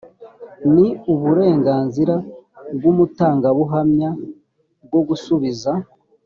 ni uburenganzira bw’umutangabuhamya bwo gusubiza